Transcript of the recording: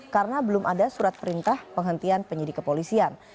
karena belum ada surat perintah penghentian penyidik kepolisian